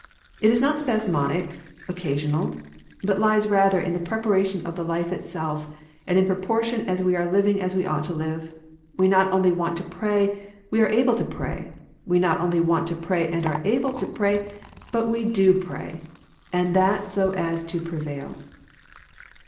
It is not spasmodic, occa sional ; but lies rather in the preparation of the life itself and in proportion as we are living as we ought to live, we not only want to pray, we are able to pray : we not only want to pray and are able to pray, but we do pray, and that so as to prevail.